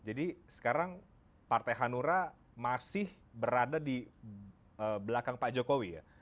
jadi sekarang partai hanura masih berada di belakang pak jokowi ya